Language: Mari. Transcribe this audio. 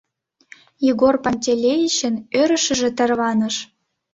Егор Пантелеичын ӧрышыжӧ тарваныш.